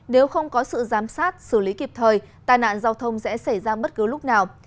nếu không có sự giám sát xử lý kịp thời tài nạn giao thông sẽ xảy ra bất cứ lúc nào